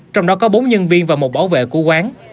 trong đó có bốn nhân viên và một bảo vệ của quán